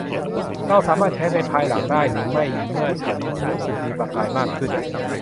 เราสามารถแชทในภายหลังได้หรือไม่เมื่อฉันรู้สึกมีประกายมากขึ้น ?